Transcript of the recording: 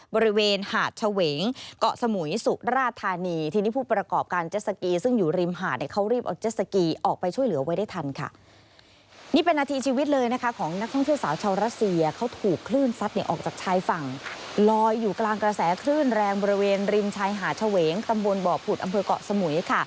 บริเวณหาดเฉวงเกาะสมุยสุกราทานีทีนี้ภู